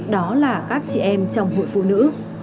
đó là các chị em trong hội phụ nữ